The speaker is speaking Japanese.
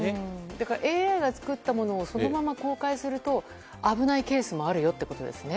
だからＡＩが作ったものをそのまま公開すると危ないケースもあるよということですよね。